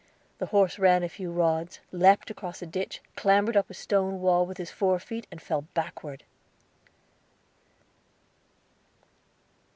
The horse ran a few rods, leaped across a ditch, clambered up a stone wall with his fore feet, and fell backward!